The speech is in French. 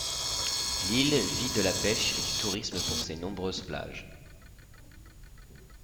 L'île vit de la pêche et du tourisme pour ses nombreuses plages.